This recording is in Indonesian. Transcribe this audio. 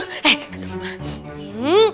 eh kena gue